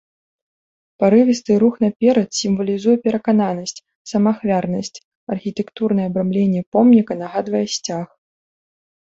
Парывісты рух наперад сімвалізуе перакананасць, самаахвярнасць, архітэктурнае абрамленне помніка нагадвае сцяг.